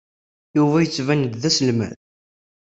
Yuba yettban-d d aselmad.